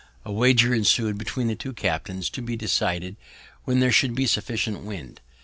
A wager ensu'd between the two captains, to be decided when there should be sufficient wind.